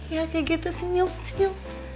ya kayak gitu senyum senyum